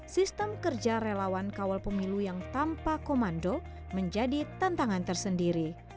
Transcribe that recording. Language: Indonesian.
sistem kerja relawan kawal pemilu yang tanpa komando menjadi tantangan tersendiri